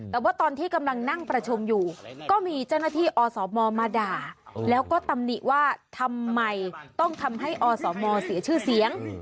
แต่ว่าตอนที่กำลังนั่งประชุมอยู่ก็มีเจ้าหน้าที่อสมมาด่าแล้วก็ตำหนิว่าทำไมต้องทำให้อสมเสียชื่อเสียง